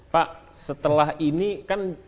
pak setelah ini kan